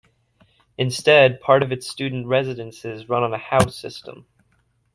Instead, part of its student residences run on a house system.